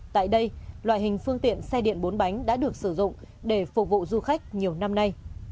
tại đây loại hình phương tiện xe điện bốn bánh đã được sử dụng để phục vụ du khách nhiều năm nay